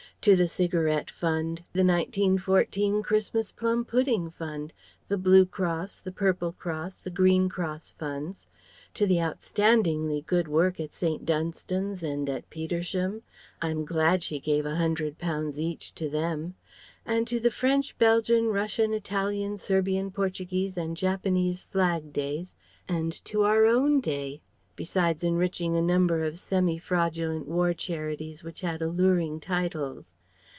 to the Cigarette Fund, the 1914 Christmas Plum Pudding Fund, the Blue Cross, the Purple Cross, the Green Cross funds; to the outstandingly good work at St. Dunstan's and at Petersham (I am glad she gave a Hundred pounds each to them); and to the French, Belgian, Russian, Italian, Serbian, Portuguese and Japanese Flag Days and to Our Own Day; besides enriching a number of semi fraudulent war charities which had alluring titles.